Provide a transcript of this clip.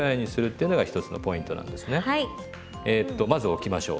えっとまず置きましょう。